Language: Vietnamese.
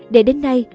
để đến nay